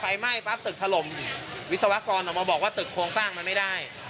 ไฟไหม้ปั๊บตึกถล่มวิศวกรออกมาบอกว่าตึกโครงสร้างมันไม่ได้